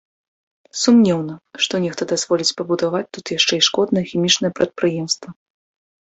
Сумнеўна, што нехта дазволіць пабудаваць тут яшчэ і шкоднае хімічнае прадпрыемства.